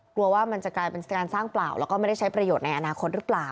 กลัวว่ามันจะกลายเป็นการสร้างเปล่าแล้วก็ไม่ได้ใช้ประโยชน์ในอนาคตหรือเปล่า